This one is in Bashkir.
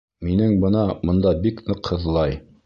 Минең бына бында бик ныҡ һыҙлай